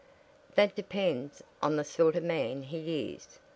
"That depends on the sort of man he is.